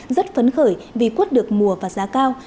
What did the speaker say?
rất phấn khởi vì quất được mùa và giá cao